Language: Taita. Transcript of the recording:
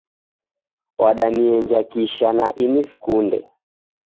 Wadanienja kisha na ini sikunde